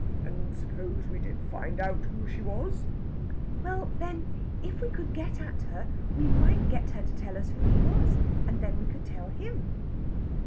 "And suppose we did find out who she was?" "Well, then, if we could get at her, we might get her to tell us who he was. And then we could tell him."